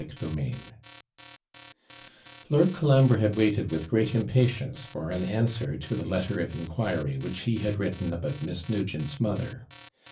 CHAPTER IX Lord Colambre had waited with great impatience for an answer to the letter of inquiry which he had written about Miss Nugent's mother.